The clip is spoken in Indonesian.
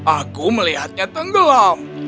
aku melihatnya tenggelam